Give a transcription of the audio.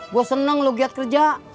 gue seneng lu giat kerja